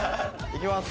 いきます。